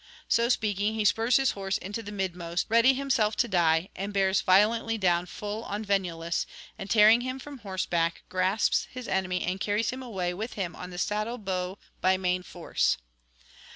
So speaking, he spurs his horse into the midmost, ready himself to die, and bears violently down full on Venulus; and tearing him from horseback, grasps his enemy and carries him away with him on the saddle bow by main force.